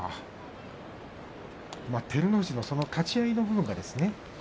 照ノ富士の立ち合いの部分も。